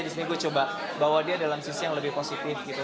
di sini gue coba bawa dia dalam sisi yang lebih positif gitu